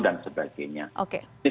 dan sebagainya oke